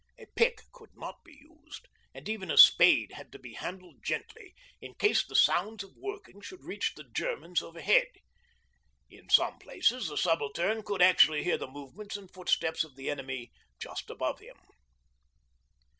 A pick could not be used, and even a spade had to be handled gently, in case the sounds of working should reach the Germans overhead. In some places the Subaltern could actually hear the movements and footsteps of the enemy just above him.